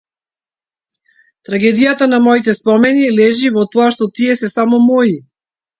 Трагедијата на моите спомени лежи во тоа што тие се само мои.